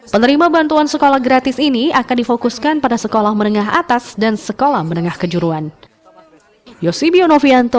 penerima bantuan sekolah gratis ini akan difokuskan pada sekolah menengah atas dan sekolah menengah kejuruan